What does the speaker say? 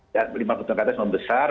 lima puluh tahun ke atas membesar